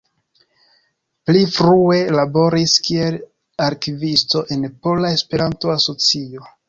Pli frue laboris kiel arkivisto en Pola Esperanto-Asocio.